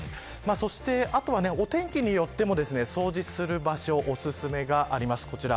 そして後はお天気によっても掃除する場所おすすめがあります。